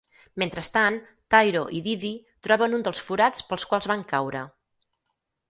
Mentrestant, Tyro i Didi troben un dels forats pels quals van caure.